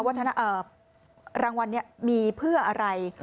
วัฒนธรรมรางวัลมีเพื่ออะไร